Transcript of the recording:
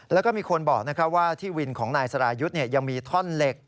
แล้วก็มีคนบอกว่าที่วินของนายสรายุทธ์ยังมีท่อนเหล็ก